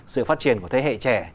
sự phát triển của thế hệ trẻ